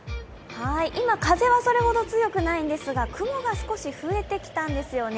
今、風はそれほど強くないんですが雲が少し増えてきたんですよね。